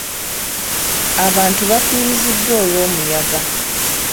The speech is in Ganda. Abantu bafiiriziddwa olw'omuyaga.